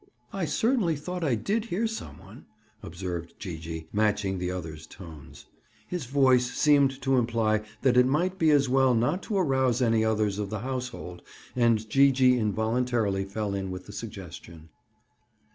"I certainly thought I did hear some one," observed Gee gee, matching the other's tones. His voice seemed to imply that it might be as well not to arouse any others of the household and Gee gee involuntarily fell in with the suggestion.